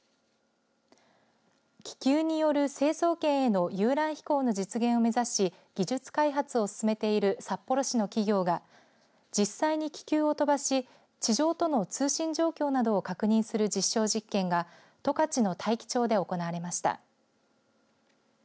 気球による成層圏への遊覧飛行の実現を目指し技術開発を進めている札幌市の企業が実際に気球を飛ばし地上との通信状況などを確認する実証実験が十勝の大樹町で行われました。